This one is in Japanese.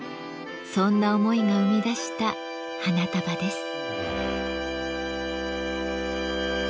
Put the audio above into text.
そんな思いが生み出した花束です。